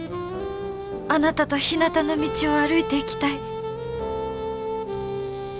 あなたとひなたの道を歩いていきたい。